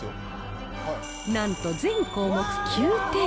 なんと全項目９点。